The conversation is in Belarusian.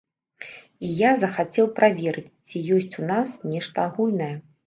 І я захацеў праверыць, ці ёсць у нас нешта агульнае.